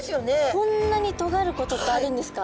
こんなにとがることってあるんですか？